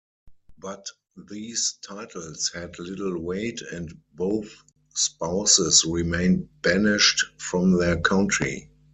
But these titles had little weight and both spouses remained banished from their country.